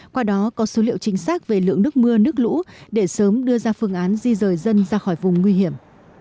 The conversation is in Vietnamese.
qua đó có số liệu chính xác về lượng nước mưa nước lũ để sớm đưa ra phương án di rời dân ra khỏi vùng nguy hiểm